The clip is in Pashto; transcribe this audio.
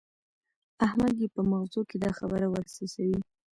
احمد يې په مغزو کې دا خبره ور څڅوي.